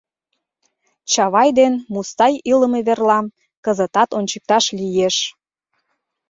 Чавай ден Мустай илыме верлам кызытат ончыкташ лиеш.